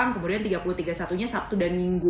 kemudian tiga puluh tiga satunya sabtu dan minggu